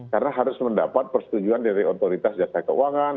karena harus mendapat persetujuan dari otoritas jasa keuangan